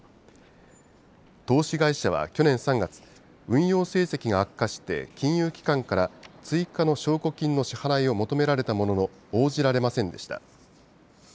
投資会社は去年３月運用成績が悪化して金融機関から追加の証拠金の支払いを求められたものの応じられませんでした。